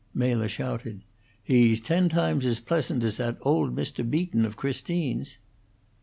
Mela shouted, "He's ten times as pleasant as that old Mr. Beaton of Christine's!"